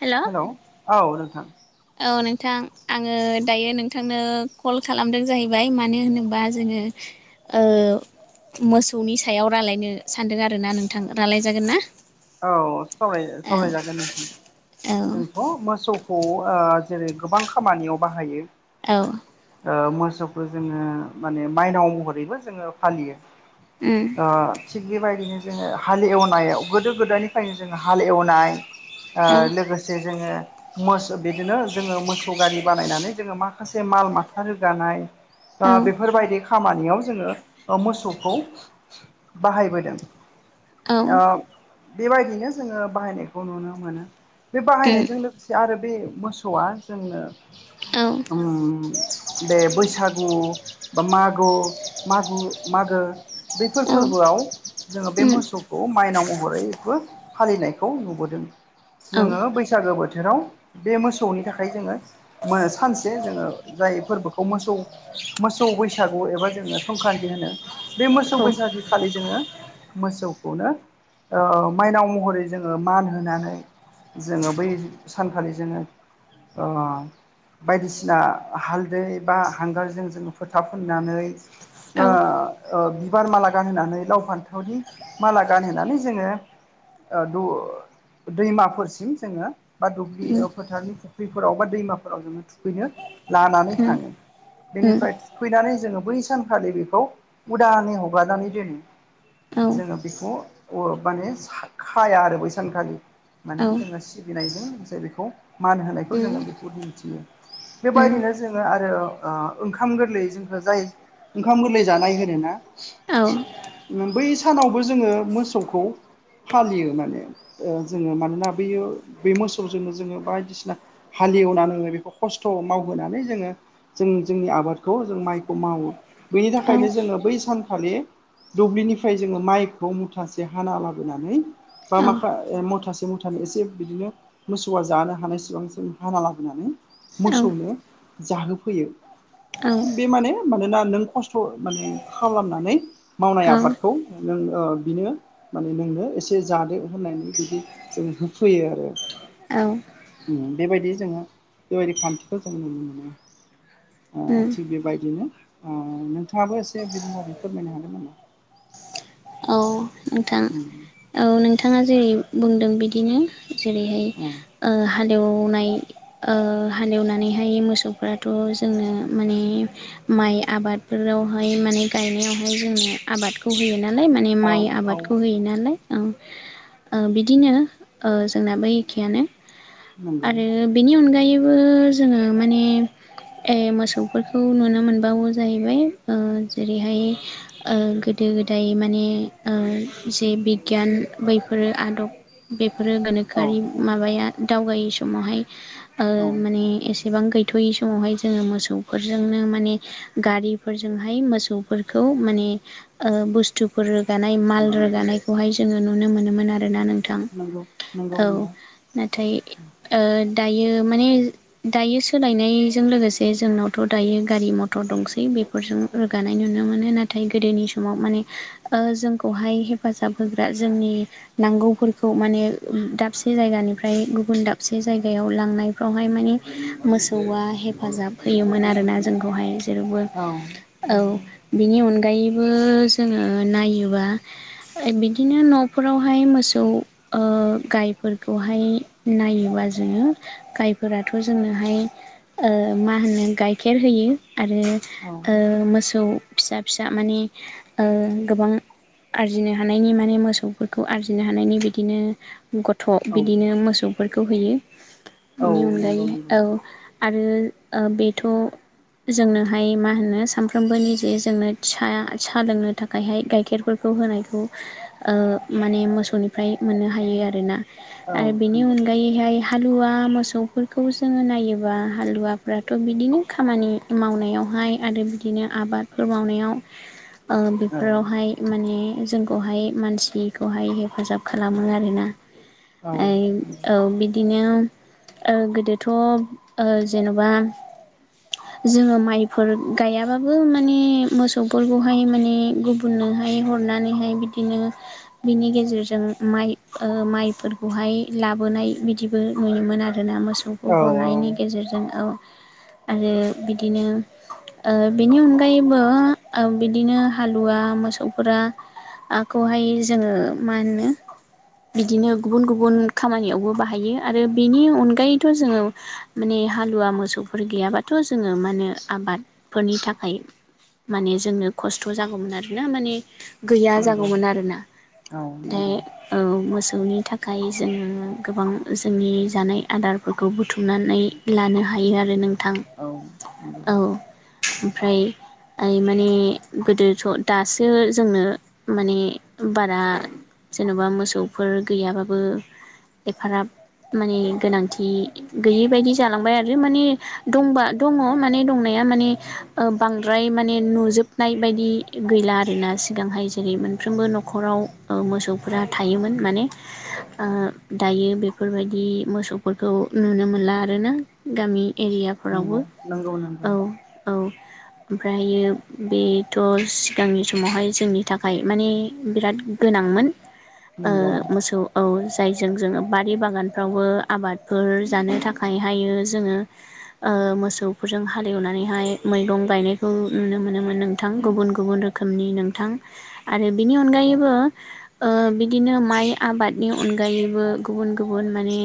हेल' hello ' औ नोंथां औ नोंथां आंङो दायो नोंथांनो कल खालामदों जाहैबाय मानो होनोबा जोंङो ओ मोसौनि सायाव रायलायनो सानदों आरो ना नोंथां रायज्लायजागोन ना औ सा औ सावराय जागोन नोंथां औ जोंथ' मोसौ खौ जेरै गोबां खामानियाव बाहायो औ मोसौखौ जोङो माने माइनाव महरैबो जोङो उम फालियो थिग बेबायदिनो जोङो हाले एवनायाव गोदो गोदायनिफ्रायनो जोङो हाल एवनाय औ लोगोसे जोङो मोस बिदिनो जोङो मोसौ गारि बानायनानै जोङो माखासे माल माथा रोगानाय औ बेफोर बायदि खामानियाव जोङो मोसौखौ बाहायबोदों औ बेबायदिनो जोङो बाहायनायखौ नुनो मोनो बे उम बाहायनायजों लोगोसे आरो बे मोसौआ जोंनो औ बे बैसागु बा मागो माग मागो बैफोर फोरबो उम बोआव जोङो बे मोसौखौ माइनाव महरैबो फालिनायखौ नुबोदों औ जोङो बैसागो बोथोराव बे मोसौनि थाखाय जोङो सानसे जोङो जाय फोरबोखौ मोसौ मोसौ बैसागु एबा जोङो संक्रान्ति होनो बे मोसौ औ बैसागु खालि जोङो मोसौखौनो माइनाव महरै जोङो मान होनानै जोङो बै सानखालि जोङो [unintelligible] बायदिसिना हालदै बा हांगारजों जोङो फोथा फुननानै औ बिबार माला गानहोनानै लाव फान्थावनि माला गानहोनानै जोङो [unintelligible] दैमाफोरसिम जोङो बा दुब्लि उम उम फोथारनि फुख्रिफोराव बा दैमाफोराव जोङो थुखैनो लानानै थाङो उम बेनिफ्राय थुखैनानै जोङो बै सानखालि बेखौ उदानै हगारनानै दोनो औ औ जोङो बेखौ माने खाया आरो बैसानखालि माने जोङो सिबिनायजों लोगोसे बेखौ मान होनायखौ उम जोङो बेखौ दिन्थियो उम बेबायदिनो जोङो आरो आरो ओंखाम गोरलै जोंखौ जाय ओंखाम गोरलै जानाय होनो ना औ बै सानावबो जोङो मोसौखौ फालियो माने जोङो मानना बयो बे मोसौजोंनो जोङो बायदिसिना हा लेवनानै बेखौ खस्थ' मावहोनानै जोङो जों जोंनि आबादखौ जों माइखौ मावो बेनि थाखायनो जोङो बै सानखालि दुब्लिनिफ्राय जोङो माइखौ मुथि एसे हाना लाबोनानै बा माखा मुथासे मुथानि एसे बिदिनो मोसौआ जानो हानाय सिबां जों हाना लाबोनानै मोसौनो जाहोफैयो औ बे माने मानोना नों खस्थ' माने खालामनानै मावनाय आबादखौ नों बिनो माने नोंनो एसेदो होननानै बिदि जों होफैयो आरो औ बेबायदि जोङो बेबायदि खान्थिखौ जों नुनो मोनो उम थिग बेबायदिनो नोंथाङाबो एसे बिनि बागै फोरमायनो हागोन नामा? औ नोंथां उम औ नोंथाङा जेरै बुंदों बिदिनो जेरैहाय औ हालेवनाय हालेवनानैहाय मोसौफ्राथ' जोंनो माने माइ आबादफोरावहाय माने गायनायावहाय जोंनो आबादखौ होयो ना ना माने माइ औ औ आबादखौ होयो नालाय औ बिदिनो जोंनाबो एखेयानो नंगौ आरो बेनि अनगायैबो जोङो माने मोसौफोरखौ नुनो मोनबावो जाहैबाय जेरैहाय गोदो दाय माने जे बिगियान बैफोरो आदब बे बेफोरो औ गोनोखोआरि माबाया दावगायै समावहाय औ माने एसे सेबां गैथ'यै समावहाय जोङो मोसौफोरजोंनो माने गारिफोरजोंहाय मोसौफोरखौ माने बुस्थुफोर रोगानाय माल रोगानायखौहाय जोङो नुनो मोनोमोन आरोना नों नोंथां नंगौ नंगौ औ नंगौ नाथाय दायो माने दायो सोलायनायजों लोगोसे जोंनावथ' दायो गारि मथर दंसै बेफोरजों रोगानाय नुनो मोनो नाथाय गोदोनि सम समाव माने जोंखौहाय हेफाजाब होग्रा जोंनि नांगौफोरखौ माने दाबसे जायगानिफ्राय गुबुन दाबसे जायगायाव लांनायफ्रावहाय मानि मोसौआ हेफाजाब होयोमोन आरोना जोंखौहाय जेरावबो औ औ नंगौ बिनि अनगायै जोङो नायोबा बिदिनो न'फोरावहाय मोसौ गायफोरखौहाय नायोबा जोङो गायफोराथ' जोंनोहाय मा होनो गाइखेर होयो औ आरो मोसौ फिसा फिसा माने गोबां आरजिनो हानायनि माने मोसौफोरखौ आरजिनो हानायनि बिदिनो गथ' औ बिदिनो मोसौफोरखौ होयो औ बेनि नंगौ अनगायै नंगौ औ आरो बेथ' जोंनोहाय मा होनो सानफ्रोमबो निजे जोंनो फिसा साहा लोंनो थाखायहाय गाइखेरफोरखौ होनायखौ माने मोसौनिफ्राय मोननो हायो आरोना औ आरो बिनि नंगौ अनगायैहाय हालुवा मोसौफोरखौ जोङो नायोबा हालुवाफ्राथ' बिदिनो खामानि मावनायाव हाय आरो बिदिनो आबादफोर मावनायाव औ बेफोरावहाय माने जोंखौहाय मानसिखौहाय हेफाजाब खालामो आरोना औ नंगौ औ बिदिनो गोदोथ' जेन'बा जोङो माइफोर गायाबाबो माने मोसौफोरखौ हाय माने गुबुननोहाय हरनानैहाय बिदिनो बिनि गेजेरजों माइ माइफोरखौहाय लाबोनाय बिदिबो नुयोमोन आरो दोना मोसौखौ औ औ हरनायनि गेजेरजों औ आरो बिदिनो बेनि अनगायैबो बिदिनो हालुवा मोसौफोराखौहाय जोङो मा होनो बिदिनो गुबुन गुबुन खामानियावबो बाहायो आरो बेनि अनगायैथ' जोङो माने हालुवा मोसौफोर गैयाबाथ' जोङो मा होने आबादफोरनि थाखाय माने जोंनो खस्थ' जागौमोन आरोना माने गैया नंगौ जागौमोन औ आरोना नंगौ ओमफ्राय मोसौ ननि थाखाय जोङो गोबां जोंनि जानाय आदारफोरखौ बुथुमनानै लानो हायोना हायो आरो नों औ ओमफ्राय ओइ माने गोदोथ' दासो जोंनो माने बारा जेन'बा मोसौफोर गैयाबाबो एफाराब माने गोनांथि गैयि बायदि जालांबाय आरो माने दंबा दङ माने दंनाया माने बांद्राय माने नुजोब नाय बायदि गैला आरोना सिगांहाय जेरै मोनफ्रोमबो न'खराव मोसौफोरा थायोमोन माने दायो बेफोरबायदि मोसौफोरखौ नुनो मोनला आरोना गामि एरियाफोरावबो नंगौ नंगौ औ नंगौ औ ओमफ्रायो बेथ' सिगांनि समावहाय जोंनि थाखाय माने बिराद गोनांमोन नंगौ मोसौआव जायजों जोङो बारि बागानफ्रावबो आबादफोर जानो थाखायहायो जोङो मोसौफोरजों हालेवनानैहाय मैगं गायनायखौ नुनो मोनोमोन नोंथां गुबुन गुबुन रोखोमनि नोंथां आरो बिनि औ अनगायैबो बिदिनो माइ आबादनि अनगायैबो गुबुन गुबुन माने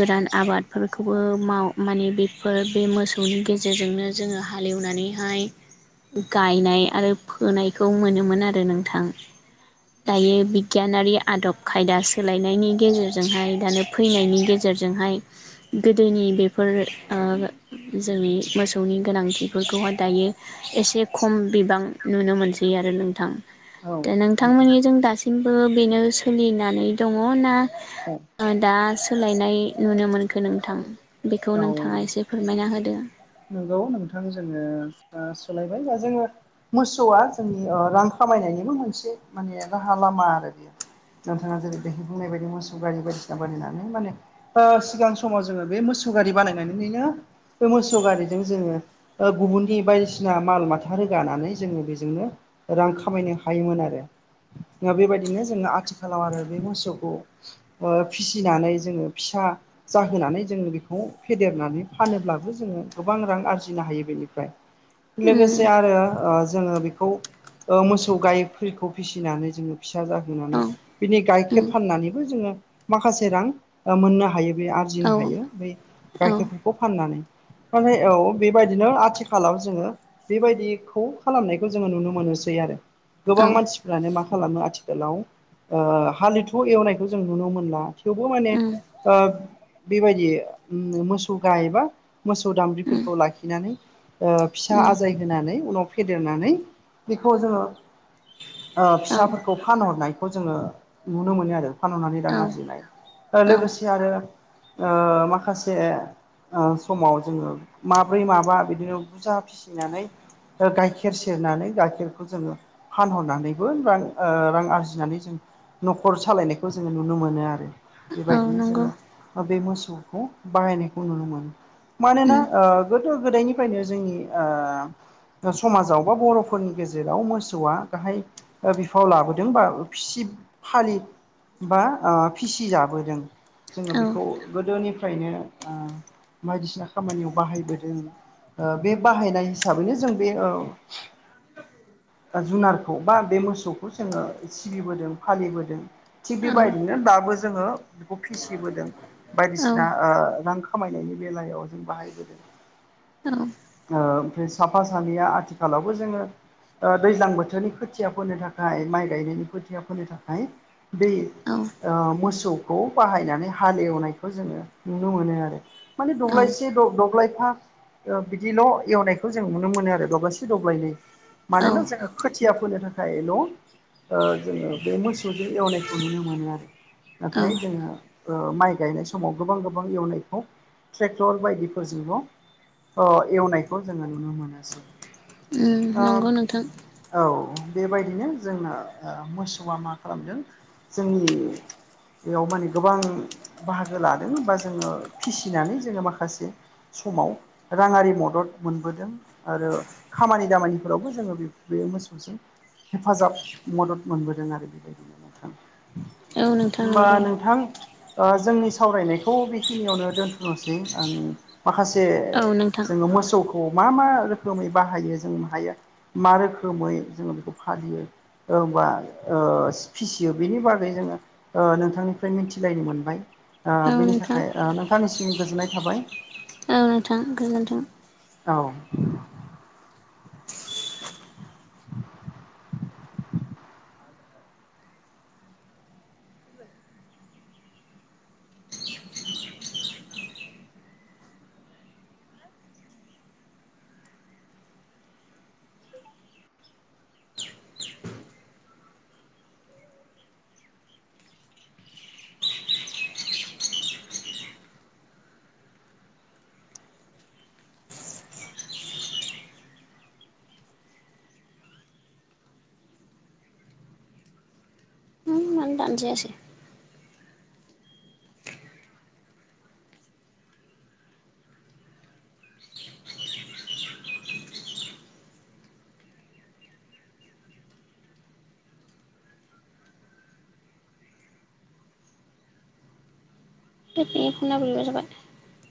गोदान आबादफोर हाखौबो माव माने बेफोर बे मोसौनि गेजेरजोंनो जोङो हालेवनानैहाय गायनाय आरो फोनायखौ मोनोमोन आरो नोंथां दायो बिगियानारि आदब खायदा सोलायनायनि गेजेरजोंहाय दानो फैनायनि गेजेरजों फोरजोंहाय गोदोनि बेफोर जोंनि मोसौनि गोनांथिफोरखौहाय दायो एसे खम बिबां नुनो मोनसै आरो नोंथां दा नंगौ नोंथांमोननिजों दासिमबो बेनो सोलिनानै दङ ना औ औ दा सोलायनाय नुनो मोनखो नोंथां बेखौ नोंथाङा एसे फोरमायना होदो नंगौ नोंथां जोङो सोलायबाय दा जोङो मोसौआ जोंनि रां खामायनाय नायनिबो मोनसे माने राहा लामा आरो बेयो नोंथाङा जेरै देहाय बुंनाय बायदि मोसौ गारि बायदिसिना बानायनानै माने सिगां समाव जोङो बे मोसौ सौ गारि बानायनानै बे मोसौ गारि जों गुबुननि बायदिसिना माल माथा रोगानानै जो बेजोंनो रां खामाय हायोमोन आरो बेबायदिनो जोङो आथिखालाव आरो बे मोसौखौ फिसिनानै जोङो फिसा फिसा जाहोनानै जोङो बेखौ फेदेरनानै फानोब्लाबो जोङो गोबां रां आरजिनो हायो बेनिफ्राय उम लोगोसे आरो जोङो बेखौ मोसौ गायखौ फिसिनानै जोङो फिसा जाहोनानै औ बिनि गाइखेर उम फाननानैबो जोङो माखासे रां मोननो हायो बे औ आरजिनो हायो बै औ गाइखेरफोरखौ फाननानै नाथाय औ बेबायदिनो आथिखालाव जोङो बेबायदिखौ खालामनायखौ जोङो नुनो मोनोसै आरो औ गोबां मानसिफ्रानो माखासे खालामो आथिखालाव हालिथ एवनायखौ जों नुनो मोनला थेवबो माने उम बेबायदि मोसौ गायबा मोसौ सौ उम दाम्रिफोरखौ लाखिनानै फिसा उम आजाय होनानै उनाव फेदेरनानै बेखौ जोङो औ फिसाफोरखौ फानहरनाय खौ जोङो नुनो मोनो आरो फानहनानै रां औ आरजिनाय औ लोगोसे आरो माखासे समाव जोङो माब्रै माबा बिदिनो बुरजा फिसिनानै गाइखेर सेरनानै गाइखेरखौ जोङो फानहरनानैबो रां रां आरजिनानै जों न'खर सालायनायखौ जोङो नुनो मोनो आरो औ बेबायदिनो नंगौ जोङो बे मोसौखौ बाहायनायखौ नुनो मोनो मानोना उम गोदो गोदायनिफ्रायनो जोंनि समाजाव बा बर'फोरनि गेजेराव मोसौआ गाहाय बिफाव लाबोदों बा फिसि फालि बा फिसिजाबोदों जोङो औ बेखौ गोदोनिफ्रायनो बायदिसिना खामानियाव बाहायबोदों बे बाहायनाय हिसाबैनो जों बे जुनारखौ बा बे मोसौखौ जोङो सिबिबोदों फालिबोदों थिग औ बेबायदिनो दाबो जोङो बेखौ फिसिबोदों औ बायदिसिना रां खामायनायनि बेलायाव जों बाहायबोदों ओमफ्राय साफा सानैया आथिखालावबो जोङो दैज्लां बोथोरनि खोथिया फोनो थाखाय माइ गायनायनि खोथिया फोनो थाखाय दै औ मोसौखौ बाहायनानै हालेवनायखौ जोङो नुनो मोनो आरो माने औ दब्लायसे द दब्लायफा ओ बिदिल' एवनायखौ जों नुनो मोनो आरो दब्लायसे दब्लायनै मानोना जों औ खोथि थिया फोनो थाखायल' ओ जोङो बे मोसौजों एवनायखौ नुनो मोनो आरो नाथाय जोङो ओ माइ गायनाय समाव गोबां गोबां एवनायखौ ट्रेक्टर बायदिफोरजोंल' अ एवनायखौ जोङो नुनो मोनोसै उम ओ नंगौ नोंथां औ बेबायदिनो जोंना ओ मोसौआ मा खालामदों जोंनि बेयाव माने गोबां बाहागो लादों बा जोङो फिसिनानै जोङो माखासे समाव राङारि मदद मोनबोदों आरो खामानि दामानिफोरावबो जोङो बे मोसौजों हेफाजाब मदद मोनबोदों आरो बेबायदिनो नोंथां औ नोंथां होमबा नंगौ नोंथां ओ जोंनि सावरायनायखौ बेखिनियावनो दोनथ'नोसै आं माखासे औ नोंथां जोङो मोसौखौ मा मा रोखोमै बाहायो जों हायो मा रोखोमै जोङो बेखौ फालियोबा ओ फिसियो बेनि बागै जोङो ओ नोंथांनिफ्राय मिथिलायनो मोनबाय आ औ बेनि नोंथां थाखाय आ नोंथांनिसिम गोजोननाय थाबाय औ नोंथां गोजोन्थों औ [inaudible] मानो दानजायासै बे फना बोरैबा जाबाय